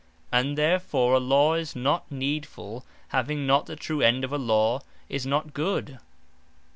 And therefore a Law that is not Needfull, having not the true End of a Law, is not Good.